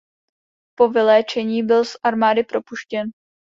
Po vyléčení byl z armády propuštěn.